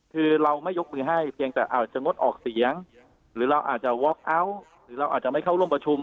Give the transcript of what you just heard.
คือเราไม่ยกมือให้เพียงแต่อาจจะงดออกเสียงหรือเราอาจจะวอคเอาท์หรือเราอาจจะไม่เข้าร่วมประชุม